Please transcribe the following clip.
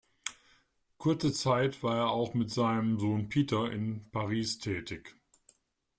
Kurze Zeit war er auch mit seinem Sohn Pieter in Paris tätig.